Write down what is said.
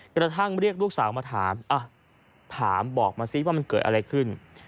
กระทั่งเรียกลูกสาวมาถามถามบอกมาซิว่ามันเกิดอะไรขึ้น